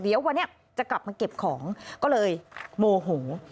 เดี๋ยววันนี้จะกลับมาเก็บของก็เลยโมโห